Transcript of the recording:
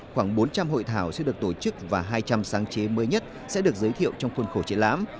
khoảng bốn trăm linh hội thảo sẽ được tổ chức và hai trăm linh sáng chế mới nhất sẽ được giới thiệu trong khuôn khổ triển lãm